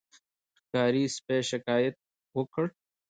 ښکاري سپي شکایت وکړ.